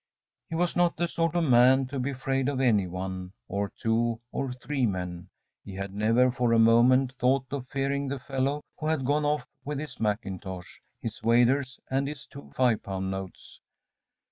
He was not the sort of man to be afraid of any one, or two, or three men he had never, for a moment, thought of fearing the fellow who had gone off with his mackintosh, his waders, and his two five pound notes.